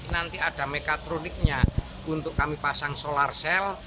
nanti ada mekatroniknya untuk kami pasang solar cell